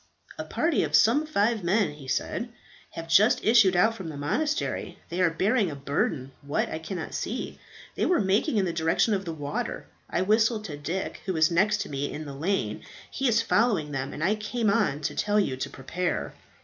"A party of some five men," he said, "have just issued out from the monastery. They are bearing a burden what, I cannot see. They were making in the direction of the water. I whistled to Dick, who was next to me in the lane. He is following them, and I came on to tell you to prepare."